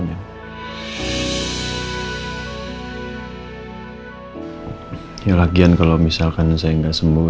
ya lagian kalo misalkan saya gak sembuh